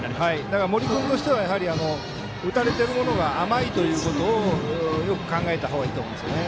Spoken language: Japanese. だから森君としては打たれているものが甘いということをよく考えたほうがいいですね。